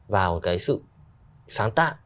vào cái sự sáng tạo